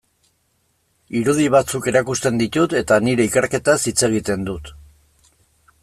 Irudi batzuk erakusten ditut eta nire ikerketaz hitz egiten dut.